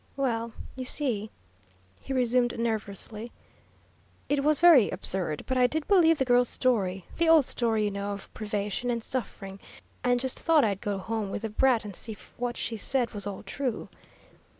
"Well, you see," he resumed nervously, "it was very absurd, but I did believe the girl's story the old story, you know, of privation and suffering, and just thought I'd go home with the brat and see if what she said was all true.